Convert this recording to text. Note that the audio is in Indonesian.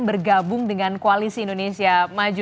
bergabung dengan koalisi indonesia maju